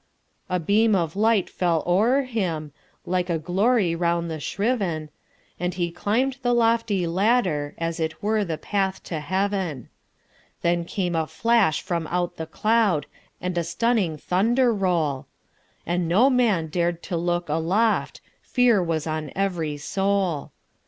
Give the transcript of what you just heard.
A beam of light fell o'er him, Like a glory round the shriven, And he climb'd the lofty ladderAs it were the path to heaven. Then came a flash from out the cloud, And a stunning thunder roll; And no man dar'd to look aloft, For fear was on every soul.